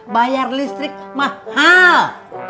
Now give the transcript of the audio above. bayar listrik mahal